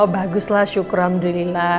baguslah syukur alhamdulillah